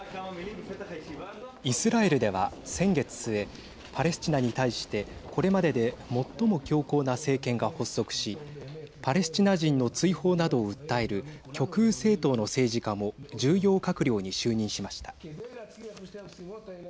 イスラエルでは先月末パレスチナに対してこれまでで最も強硬な政権が発足しパレスチナ人の追放などを訴える極右政党の政治家も重要閣僚に就任しました。